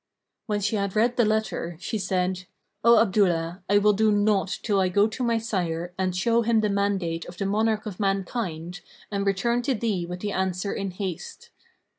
When she had read the letter, she said, "O Abdullah, I will do nought till I go to my sire and show him the mandate of the monarch of mankind and return to thee with the answer in haste."